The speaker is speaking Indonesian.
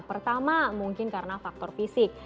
pertama mungkin karena faktor fisik